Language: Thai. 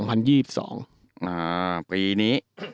อ่าปีนี้